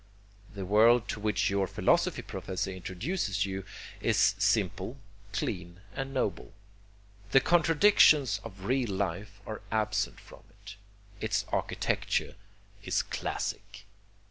The world to which your philosophy professor introduces you is simple, clean and noble. The contradictions of real life are absent from it. Its architecture is classic.